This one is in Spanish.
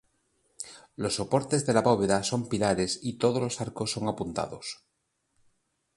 Los soportes de la bóveda son pilares y todos los arcos son apuntados.